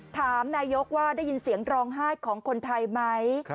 ถามนายกว่าได้ยินเสียงร้องไห้ของคนไทยไหม